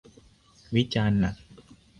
วิจารณ์หนัก